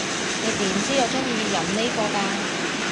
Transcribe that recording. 你點知我中意飲呢個㗎？